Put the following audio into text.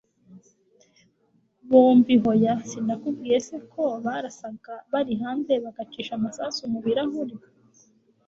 bobi hoya! sinakubwiye se ko barasaga bari hanze, bagacisha amasasu mubirahuri